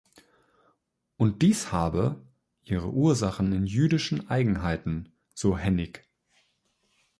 Und dies habe „ihre Ursachen in jüdischen Eigenheiten“, so Hennig.